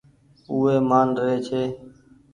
اُو وي مآن ري ڇي۔